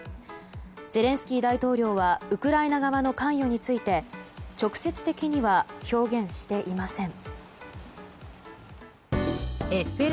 ゼレンスキー大統領はウクライナ側の関与について直接的には表現していません。